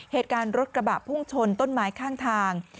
เหตุการณ์รถกระบะพุ่งชนต้นไม้ข้างทาง